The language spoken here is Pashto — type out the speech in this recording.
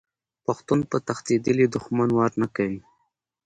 پښتون په تښتیدلي دښمن وار نه کوي.